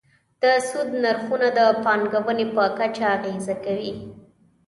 د سود نرخونه د پانګونې په کچه اغېزه کوي.